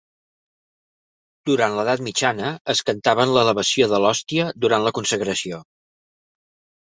Durant l'edat mitjana es cantava en l'elevació de l'hòstia durant la consagració.